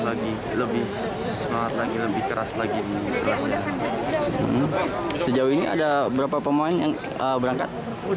lagi lebih semangat lagi lebih keras lagi kerasnya sejauh ini ada berapa pemain yang berangkat